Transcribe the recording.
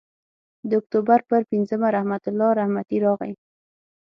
د اکتوبر پر پینځمه رحمت الله رحمتي راغی.